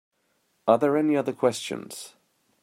Are there any other questions?